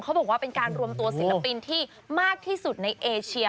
เขาบอกว่าเป็นการรวมตัวศิลปินที่มากที่สุดในเอเชีย